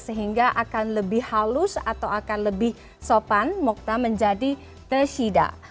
sehingga akan lebih halus atau akan lebih sopan mokta menjadi teshida